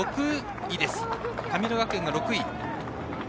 神村学園が６位。